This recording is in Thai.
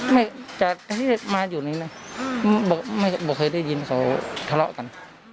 ไม่จากที่มาอยู่นี่นะไม่เคยได้ยินเขาทะเลาะกัน